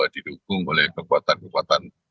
didukung oleh kekuatan kekuatan